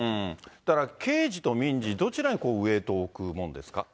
だから刑事と民事、どちらにウエートを置くもんですか。